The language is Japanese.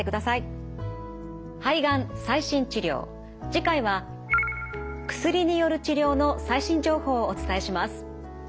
次回は薬による治療の最新情報をお伝えします。